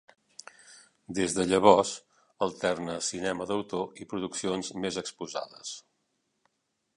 Des de llavors, alterna cinema d'autor i produccions més exposades.